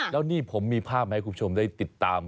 แล้วนี่ผมมีภาพมาให้คุณผู้ชมได้ติดตาม